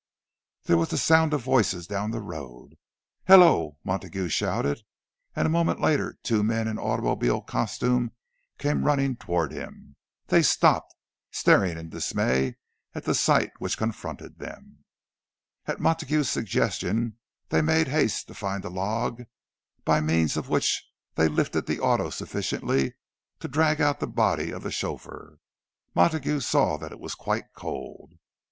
There was the sound of voices down the road. "Hello!" Montague shouted; and a moment later two men in automobile costume came running toward him. They stopped, staring in dismay at the sight which confronted them. At Montague's suggestion they made haste to find a log by means of which they lifted the auto sufficiently to drag out the body of the chauffeur. Montague saw that it was quite cold.